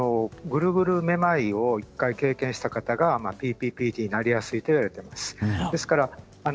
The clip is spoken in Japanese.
グルグルめまいを１回経験した人がＰＰＰＤになりやすいと言われています。